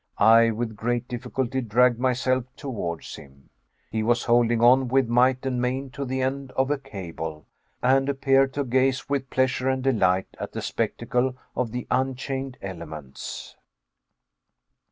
I with great difficulty dragged myself towards him. He was holding on with might and main to the end of a cable, and appeared to gaze with pleasure and delight at the spectacle of the unchained elements.